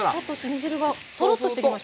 煮汁がとろっとしてきました。